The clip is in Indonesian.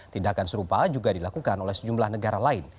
tindakan serupa juga dilakukan oleh sejumlah negara lain